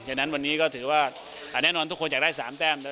ฉะนั้นวันนี้ก็ถือว่าอาจแน่นอนทุกคนจะได้๓แต้ม